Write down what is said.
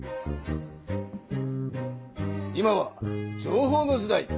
今は情報の時代。